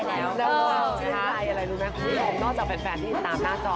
แล้วก็ชื่นไทยอะไรรู้ไหมผมนอกจากแฟนที่ตามหน้าจอ